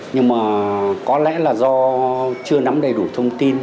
nhưng mà có lẽ là do chưa nắm đầy đủ thông tin